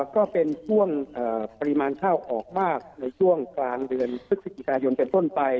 ก็เป็นช่วงปริมาณข้าวออกมากในช่วงกลางเดือนพฤศจิกายนเป็นต้นไป